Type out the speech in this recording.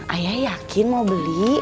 ayah yakin mau beli